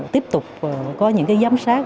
tiếp tục có những giám sát